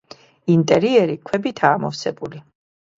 ინტერიერი ქვებითაა ამოვსებული.